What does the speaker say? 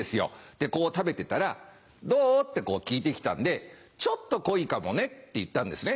でこう食べてたら「どう？」って聞いて来たんで「ちょっと濃いかもね」って言ったんですね。